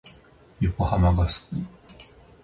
横浜が好き。